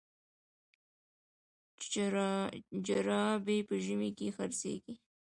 جراپي په ژمي کي خرڅیږي.